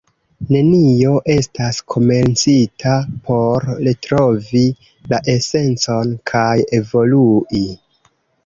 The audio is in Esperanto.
Nenio estas komencita por retrovi la esencon kaj evolui.